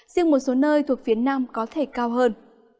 riêng một số nơi thuộc phía nam có thể cao hơn